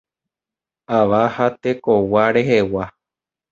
Ava ha tekogua rehegua.